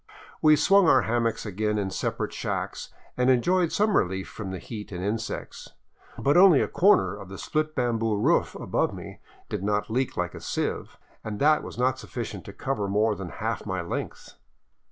We swung our hammocks again in separate shacks, and enjoyed some relief from heat and insects. But only a corner of the split bamboo roof above me did not leak like a sieve, and that was not sufficient to cover more than half my length.